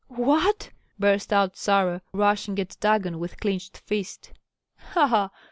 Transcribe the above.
"What?" burst out Sarah, rushing at Dagon with clinched fist. "Ha! ha!"